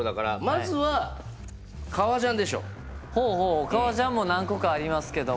ほうほう革ジャンも何個かありますけども。